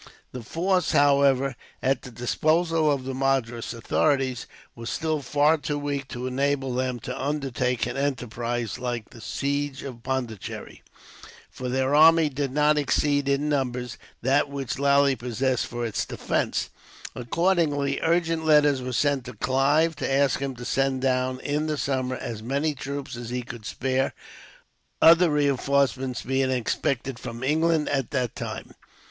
The force, however, at the disposal of the Madras authorities, was still far too weak to enable them to undertake an enterprise like the siege of Pondicherry; for their army did not exceed, in numbers, that which Lally possessed for its defence. Accordingly, urgent letters were sent to Clive to ask him to send down, in the summer, as many troops as he could spare, other reinforcements being expected from England at that time.